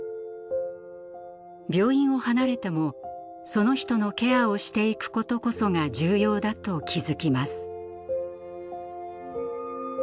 病院を離れてもその人のケアをしていくことこそが重要だと気付きます。